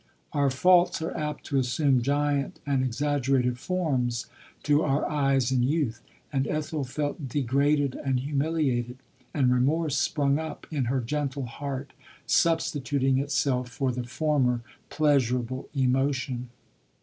Our faults are apt to assume giant and exaggerated forms to our eyes in youth, and Ethel felt de graded and humiliated ; and remorse sprung up in her gentle heart, substituting itself for the former pleasurable emotion.